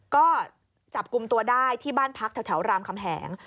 ก็จับกลุ่มตัวได้ที่บ้านพักแถวรามคำแหง